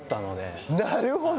なるほど。